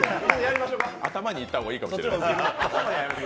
頭に行った方がいいかもしれん。